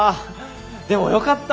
でもよかった。